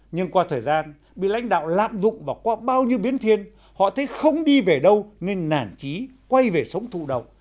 nhưng qua thời gian bị lãnh đạo lạm dụng và qua bao nhiêu biến thiên họ thấy không đi về đâu nên nản trí quay về sống thụ động